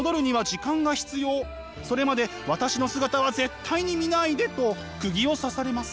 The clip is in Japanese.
それまで私の姿は絶対に見ないで」とくぎを刺されます。